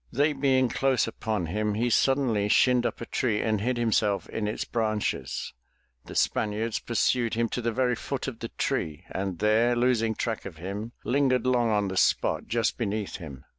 They being close upon him, he suddenly shinned up a tree and hid himself in its branches. The Spaniards pursued him to the very foot of the tree and there losing track of him lingered long on the spot just beneath him.